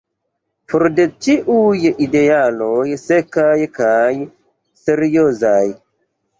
For de ĉiuj idealoj sekaj kaj seriozaj!"